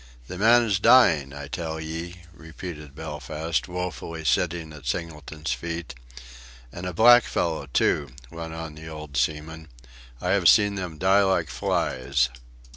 "The man is dying, I tell ye," repeated Belfast, woefully, sitting at Singleton's feet. "And a black fellow, too," went on the old seaman, "I have seen them die like flies."